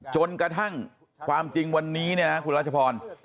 จนกระทั่งความจริงวันนี้เนี่ยนะคุณรัชพร